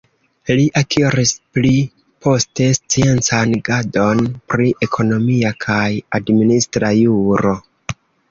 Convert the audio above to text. Li akiris pli poste sciencan gradon pri ekonomia kaj administra juro.